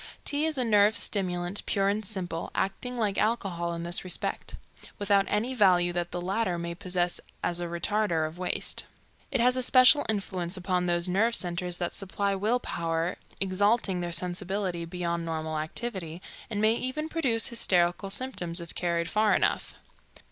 Tea is a nerve stimulant, pure and simple, acting like alcohol in this respect, without any value that the latter may possess as a retarder of waste. It has a special influence upon those nerve centers that supply will power, exalting their sensibility beyond normal activity, and may even produce hysterical symptoms, if carried far enough.